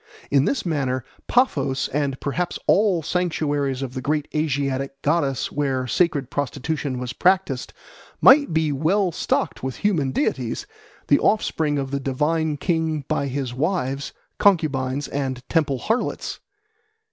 In this manner Paphos, and perhaps all sanctuaries of the great Asiatic goddess where sacred prostitution was practised, might be well stocked with human deities, the offspring of the divine king by his wives, concubines, and temple harlots.